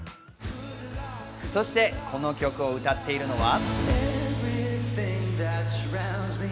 そしてこの曲を歌っているのは。